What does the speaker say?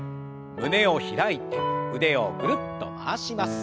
胸を開いて腕をぐるっと回します。